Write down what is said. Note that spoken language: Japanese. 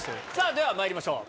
ではまいりましょう！